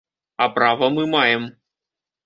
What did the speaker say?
А права мы маем.